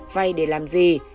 vay để làm gì